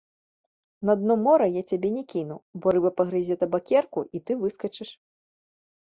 На дно мора я цябе не кіну, бо рыба пагрызе табакерку, і ты выскачыш.